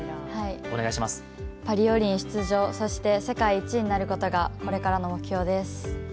パリ五輪、そして世界１位になることがこれからの目標です。